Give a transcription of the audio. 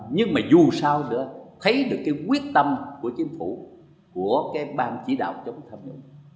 nhưng mà dù sao nữa thấy được cái quyết tâm của chính phủ của cái bang chỉ đạo chống tham nhũng